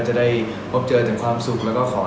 นะคะเดี๋ยวก็ขอให้ทุกคนมีความสุขมากมากนะคะ